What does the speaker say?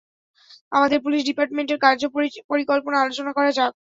আমাদের পুলিশ ডিপার্টমেন্টের কার্যপরিকল্পনা আলোচনা করা যাক।